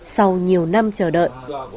sau nhiều năm chờ đợi